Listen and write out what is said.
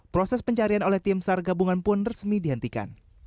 proses pencarian oleh tim sar gabungan pun resmi dihentikan